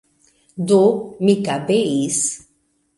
Do, mi kabeis.